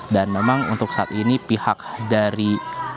dan memang untuk saat ini pihak dari af